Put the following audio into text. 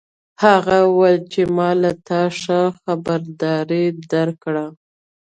هغه وویل چې ما تا ته ښه خبرداری درکړ